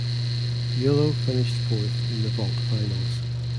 Yulo finished fourth in the vault finals.